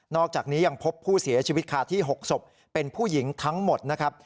อกจากนี้ยังพบผู้เสียชีวิตคาที่๖ศพเป็นผู้หญิงทั้งหมดนะครับ